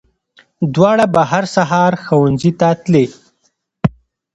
دواړه به هر سهار ښوونځي ته تلې